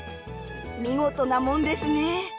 見事なもんですね。